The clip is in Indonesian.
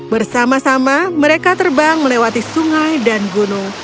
bersama sama mereka terbang melewati sungai dan gunung